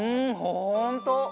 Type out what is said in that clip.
ほんと！